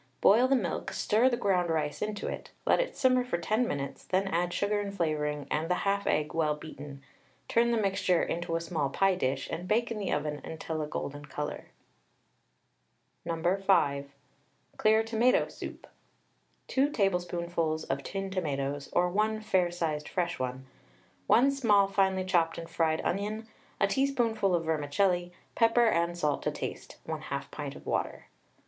Boil the milk, stir the ground rice into it; let it simmer for 10 minutes, then add sugar and flavouring and the 1/2 egg well beaten; turn the mixture into a small pie dish, and bake in the oven until a golden colour. No. 5. CLEAR TOMATO SOUP. 2 tablespoonfuls of tinned tomatoes, or 1 fair sized fresh one, 1 small finely chopped and fried onion, a teaspoonful of vermicelli, pepper and salt to taste, 1/2 pint of water.